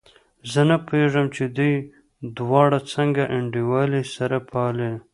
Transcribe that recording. زه نه پوهېږم چې دوی دواړه څنګه انډيوالي سره پالي.